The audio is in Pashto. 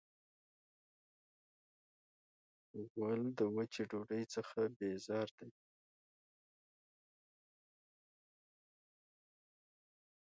غول د وچې ډوډۍ څخه بیزار دی.